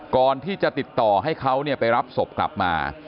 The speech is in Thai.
ก่อนที่จะติดต่อให้เขาไปรับศพกลับมา